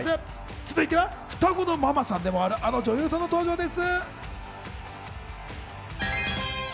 続いては双子のママさんでもある、あの女優さんの登場です。